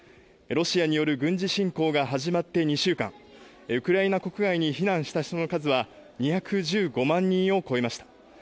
ロシアによる軍事侵攻が始まって２週間、ウクライナ国外に避難した人の数は、２１５万人を超えました。